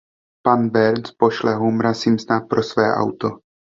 Pan Burns pošle Homera Simpsona pro své auto.